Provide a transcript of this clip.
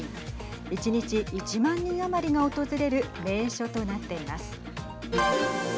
１日１万人余りが訪れる名所となっています。